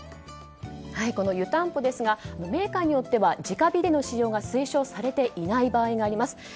この湯たんぽですがメーカーによっては直火での使用が推奨されていない場合があります。